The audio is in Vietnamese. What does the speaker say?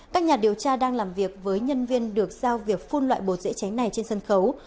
các nhà điều tra đang làm việc với nhân viên được giao việc phun loại bột dễ cháy này trên sân khấu